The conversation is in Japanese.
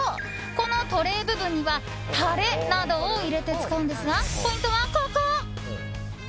このトレー部分にはタレなどを入れて使うのですがポイントはここ！